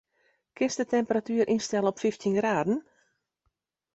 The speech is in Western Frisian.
Kinst de temperatuer ynstelle op fyftjin graden?